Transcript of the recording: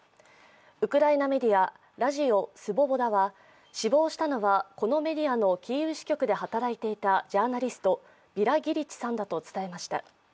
ウクライナメディア「ラジオ・スヴォボダ」は死亡したのはこのメディアのキーウ支局で働いていたジャーナリスト、ヴィラ・ギリチさんだと伝えました。